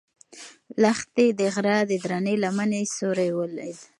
لښتې د غره د درنې لمنې سیوری ولید.